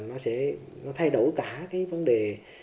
nó sẽ thay đổi cả cái vấn đề